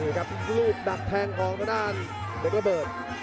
ครับลูกดักแทงของทางด้านเด็กระเบิด